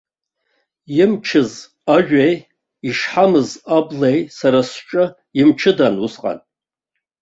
Имчыз ажәеи ишҳамыз аблеи сара сҿы имчыдан усҟан.